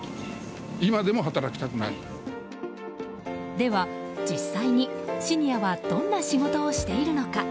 では、実際にシニアはどんな仕事をしているのか。